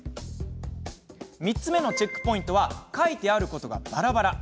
３つ目のチェックポイントは書いてあることが、ばらばら。